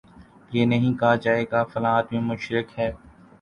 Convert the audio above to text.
یہ نہیں کہا جائے گا فلاں آدمی مشرک ہے